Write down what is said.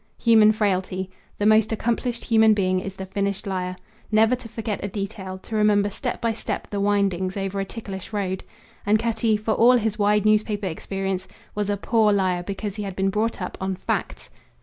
Human frailty. The most accomplished human being is the finished liar. Never to forget a detail, to remember step by step the windings, over a ticklish road. And Cutty, for all his wide newspaper experience, was a poor liar because he had been brought up on facts.